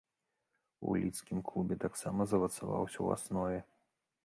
У лідскім клубе таксама замацаваўся ў аснове.